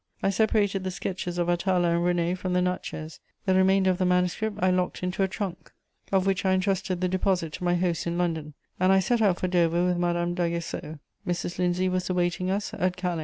I separated the sketches of Atala and René from the Natchez; the remainder of the manuscript I locked into a trunk, of which I entrusted the deposit to my hosts in London, and I set out for Dover with Madame d'Aguesseau: Mrs. Lindsay was awaiting us at Calais.